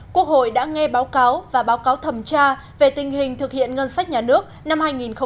quốc hội đã nghe báo cáo và báo cáo thẩm tra về tình hình thực hiện ngân sách nhà nước năm hai nghìn một mươi chín